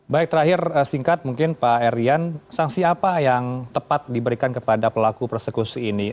baik terakhir singkat mungkin pak erian sanksi apa yang tepat diberikan kepada pelaku persekusi ini